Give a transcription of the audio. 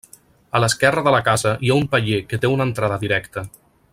A l'esquerra de la casa hi ha un paller que té una entrada directa.